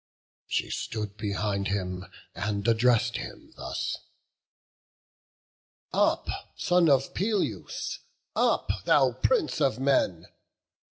She stood beside him, and address'd him thus: "Up, son of Peleus! up, thou prince of men!